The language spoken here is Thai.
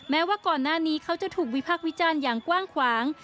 แม้ว่าก่อนหน้านี้เขาจะถูกวิพักษ์วิจารณ์อย่างกว้างขวาง